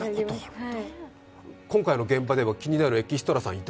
今回の現場では気になるエキストラさんいた？